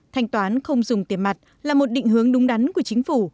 thanh toán không dùng tiền mặt là một định hướng đúng đắn của chính phủ